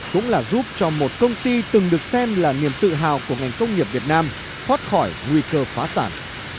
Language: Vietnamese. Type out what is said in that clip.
cũng là giúp cho một công ty từng được xem là niềm tự hào của ngành công nghiệp việt nam thoát khỏi nguy cơ phá sản